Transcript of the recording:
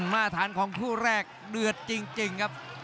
มาตรฐานของคู่แรกเดือดจริงครับ